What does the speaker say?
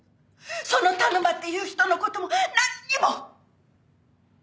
その田沼っていう人の事もなんにも。